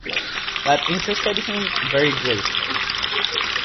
That interested him very greatly.